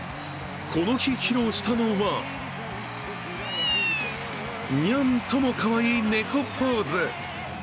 この日披露したのはニャンともかわいい猫ポーズ。